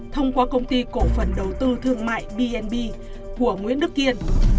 thông qua công ty cổ phần đầu tư thương mại bnb của nguyễn đức kiên